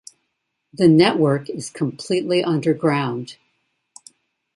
The network is completely underground.